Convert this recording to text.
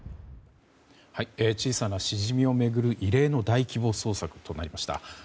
小さなシジミを巡る異例の大規模捜索となりました。